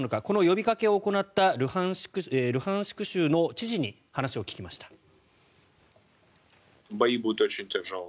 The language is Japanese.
この呼びかけを行ったルハンシク州の知事に話を聞きました。